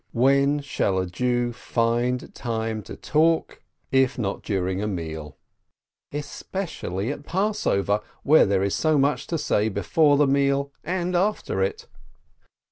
When shall a Jew find time to talk, if not during 156 SHOLOM ALECHEM a meal ? Especially at Passover, when there is so much to say before the meal and after it.